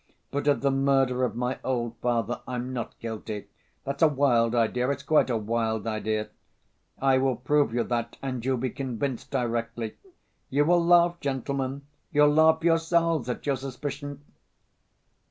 But of the murder of my old father I'm not guilty. That's a wild idea. It's quite a wild idea!... I will prove you that and you'll be convinced directly.... You will laugh, gentlemen. You'll laugh yourselves at your suspicion!..."